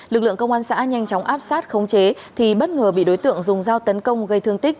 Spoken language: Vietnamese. lực lượng công an xã nhanh chóng áp sát khống chế thì bất ngờ bị đối tượng dùng dao tấn công gây thương tích